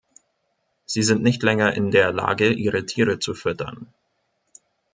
Sie sind nicht länger in der Lage, ihre Tiere zu füttern.